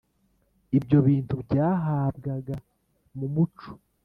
ibyo bintu byahabwaga mu muco